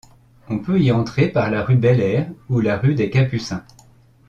On peut y entrer par la rue Bel-Air ou la rue des Capucins.